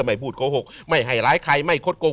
ไม่พูดโกหกไม่ให้ร้ายใครไม่คดโกง